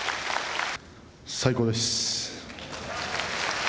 最高です。